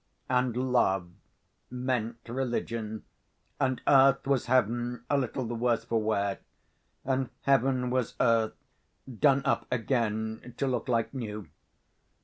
And love meant religion. And earth was heaven a little the worse for wear. And heaven was earth, done up again to look like new.